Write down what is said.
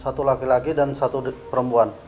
satu laki laki dan satu perempuan